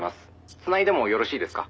「繋いでもよろしいですか？」